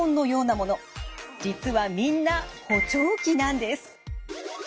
実はみんな補聴器なんです。